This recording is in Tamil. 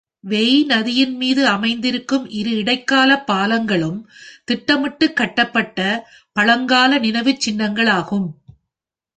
வெய் நதியின் மீது அமைந்திருக்கும் இரு இடைக்கால பாலங்களும் திட்டமிட்டு கட்டப்பட்ட பழங்கால நினைவுச்சின்னங்களாகும்.